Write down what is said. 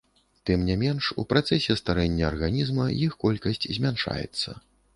Тым не менш, у працэсе старэння арганізма іх колькасць змяншаецца.